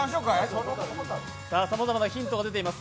さまざまなヒントが出ています。